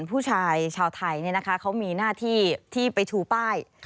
ผู้ชายชาวไทยเขามีหน้าที่ที่ไปชูป้าย